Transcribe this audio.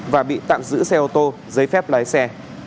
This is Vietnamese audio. và bị tạm giữ xe ô tô giấy phép lái xe